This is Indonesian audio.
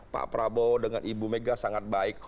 pak prabowo dengan ibu mega sangat baik